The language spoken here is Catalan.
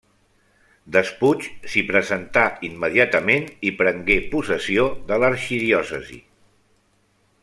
Despuig s'hi presentà immediatament i prengué possessió de l'arxidiòcesi.